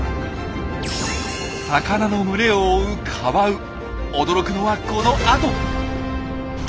魚の群れを追う驚くのはこのあと。